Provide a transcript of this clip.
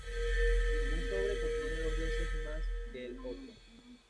Un sobre contiene dos veces más que el otro.